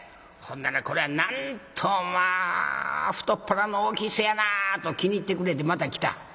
ほんならこれはなんとまあ太っ腹の大きい人やなあと気に入ってくれてまた来た。